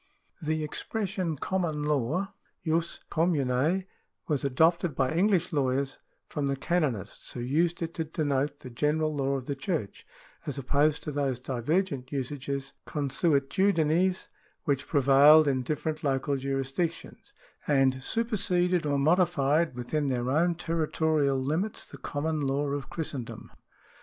The expression common law {jus commune) was adopted by English lawyers from the canonists, who used it to denote the general law oi the Church as opposed to those divergent usages {consuetudines) which prevailed in different local jurisdictions, and superseded or modiiied within their own territorial limits the common law of Christendom.